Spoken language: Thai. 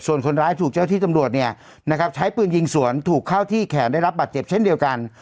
ส่วนคนร้ายถูกเจ้าที่ตำรวจเนี่ยนะครับใช้ปืนยิงสวนถูกเข้าที่แขนได้รับบัตรเจ็บเช่นเดียวกัน